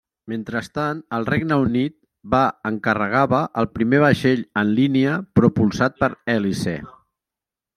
Mentrestant el Regne Unit va encarregava el primer vaixell en línia propulsat per hèlice.